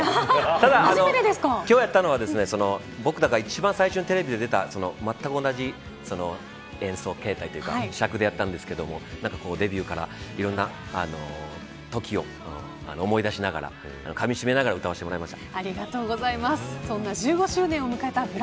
ただ、今日やったのは僕らが一番最初にテレビで出たまったく同じ演奏形態という尺でやったんですけどデビューからいろんなときを思い出しながらかみしめながら歌わせてもらいました。